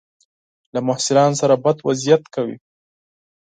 له محصلانو سره بد وضعیت کوي.